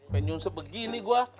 penyusup begini gue